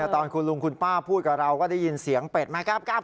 ตอนคุณลุงคุณป้าพูดกับเราก็ได้ยินเสียงเป็ดไหมครับ